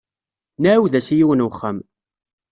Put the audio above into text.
Nɛawed-as i yiwen n wexxam.